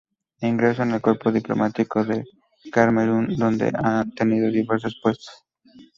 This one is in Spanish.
Ingresó en el cuerpo diplomático de Camerún donde ha tenido diversos puestos.